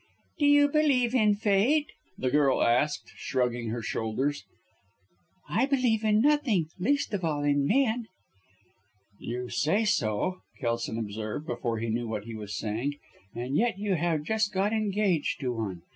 "Do you believe in fate?" the girl asked, shrugging her shoulders. "I believe in nothing least of all in men!" "You say so!" Kelson observed, before he knew what he was saying. "And yet you have just got engaged to one.